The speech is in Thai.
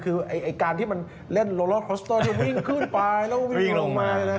คือการที่มันเล่นรถรอสเตอร์ที่มันวิ่งขึ้นไปแล้ววิ่งลงมา